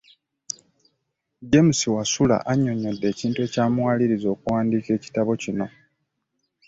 James Wasula annyonnyodde ekintu ekyamuwalirizza okuwandiika ekitabo kino.